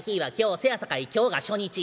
せやさかい今日が初日。